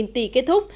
ba mươi tỷ kết thúc